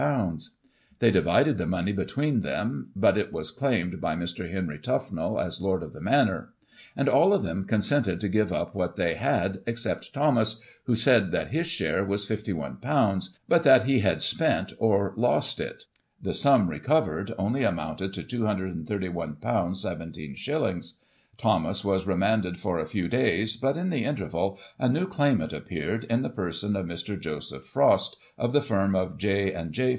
They divided the money between them ; but it was claimed by Mr. Henry Tufnell, as Lord of the Mcinor ; and all of them consented to give up what they* had, except Thomas, who said that his share was £$1, but that he had spent, or lost it The sum recovered only amounted to ;£^23i 17s. Thomas was remanded for a few days, but, in the interval, a new claimant appeared, in the person of Mr. Joseph Frost, of the firm of J. and J.